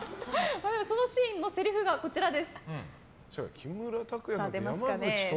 そのシーンのせりふがこちらです。